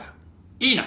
いいな？